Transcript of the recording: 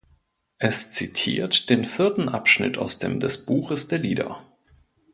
Es zitiert den vierten Abschnitt aus dem des Buches der Lieder.